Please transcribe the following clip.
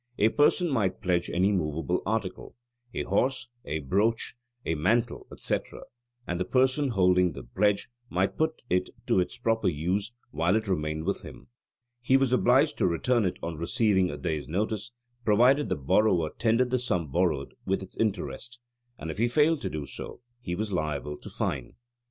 A person might pledge any movable article a horse, a brooch, a mantle, etc. and the person holding the pledge might put it to its proper use while it remained with him. He was obliged to return it on receiving a day's notice, provided the borrower tendered the sum borrowed, with its interest: and if he failed to do so he was liable to fine.